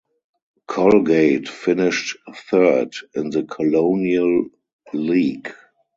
Colgate finished third in the Colonial League.